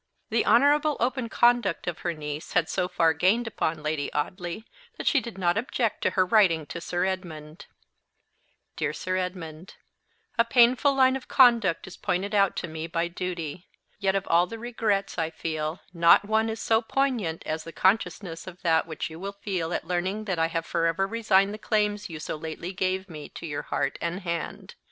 The honourable open conduct of her niece had so far gained upon Lady Audley that she did not object to her writing to Sir Edmund, "DEAR SIR EDMUND A painful line of conduct is pointed out to me by duty; yet of all the regrets I feel not one is so poignant as the consciousness of that which you will feel at learning that I have forever resigned the claims you so lately gave me to your heart and hand.